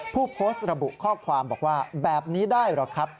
ผู้โพสต์ระบุข้อความบอกว่าแบบนี้ได้เหรอครับ